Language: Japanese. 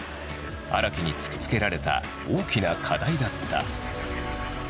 荒木に突きつけられた大きな課題だった。